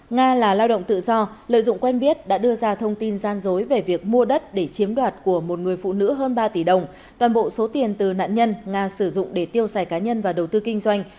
nga là lao động tự do lợi dụng quen biết đã đưa ra thông tin gian dối về việc mua đất để chiếm đoạt của một người phụ nữ hơn ba tỷ đồng toàn bộ số tiền từ nạn nhân nga sử dụng để tiêu xài cá nhân và đầu tư kinh doanh